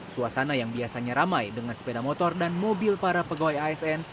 suasana yang biasanya ramai dengan sepeda motor dan mobil para pegawai asn